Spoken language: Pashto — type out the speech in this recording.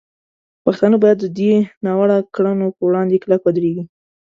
پښتانه باید د دې ناوړه کړنو په وړاندې کلک ودرېږي.